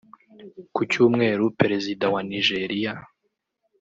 Ku cyumweru Perezida wa Nigeria